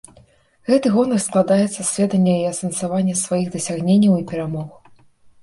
Гэты гонар складаецца з ведання і асэнсавання сваіх дасягненняў і перамог.